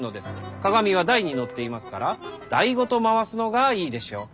「鏡」は台にのっていますから台ごと回すのが良いでしょう。